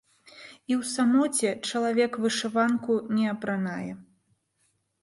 І ў самоце чалавек вышыванку не апранае.